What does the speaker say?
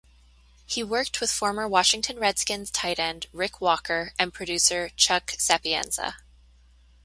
He worked with former Washington Redskins tight end Rick Walker and producer Chuck Sapienza.